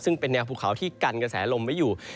ซึ่งเป็นแนวภูเขาที่กันกระแสลมไว้อยู่